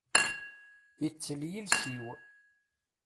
Ittel yiles-iw.